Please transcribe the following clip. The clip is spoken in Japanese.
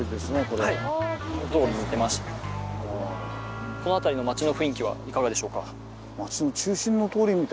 この辺りの町の雰囲気はいかがでしょうか？